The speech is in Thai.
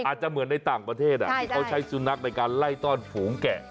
อาจจะเหมือนในต่างประเทศที่เขาใช้สุนัขในการไล่ต้อนฝูงแกะ